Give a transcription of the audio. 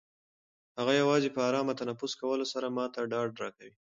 هغه یوازې په ارامه تنفس کولو سره ما ته ډاډ راکوي.